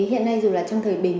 hiện nay dù là trong thời bình